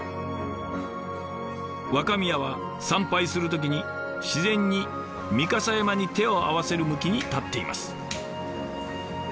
若宮は参拝する時に自然に御蓋山に手を合わせる向きに立っています。